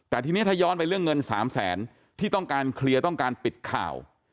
แต่ทีนี้ถ้าย้อนไปเรื่องเงิน๓แสนที่ต้องการเคลียร์ต้องการปิดข่าว